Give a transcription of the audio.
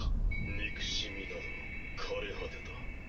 憎しみなど枯れ果てた。